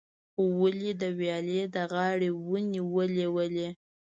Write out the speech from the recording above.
ولي، د ویالې د غاړې ونې ولې ولي؟